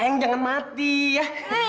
ayang jangan mati ya